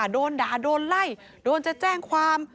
โดนด่าโดนไล่โดนจะแจ้งความ